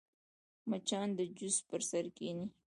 مچان د جوس پر سر کښېني